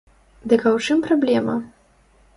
Дык а ў чым праблема!